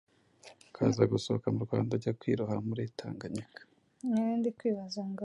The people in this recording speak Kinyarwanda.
ukaza gusohoka mu Rwanda ujya kwiroha muri Tanganyika.